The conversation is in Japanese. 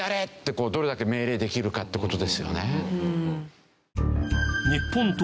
こうどれだけ命令できるかって事ですよね。